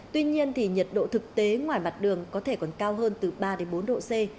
tuy nhiên thì nhiệt độ thực tế ngoài mặt đường có thể còn cao hơn từ ba đến bốn độ c